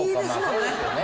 まあそうですよね。